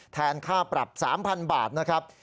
ค่าปรับ๓๐๐๐บาทนะครับ